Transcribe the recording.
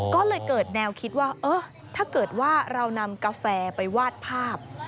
ก็เลยเกิดแนวคิดว่าเออถ้าเกิดว่าเรานำกาแฟไปวาดภาพ